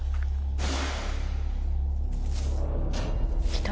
来た？